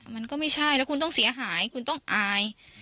มันก็ไม่ใช่แล้วคุณต้องเสียหายคุณต้องอาย